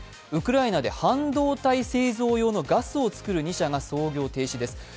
ウクライナで半導体製造用のガスを作る２社が操業停止です。